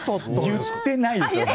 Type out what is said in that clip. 言ってないです。